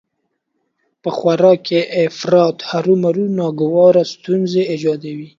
په خوراک کې افراط هرومرو ناګواره ستونزې ايجادوي